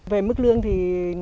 về mức lương thì